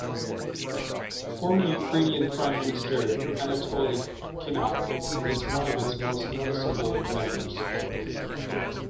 Former Ukrainian Prime Minister Anatoliy Kinakh is one of its most noticeable members.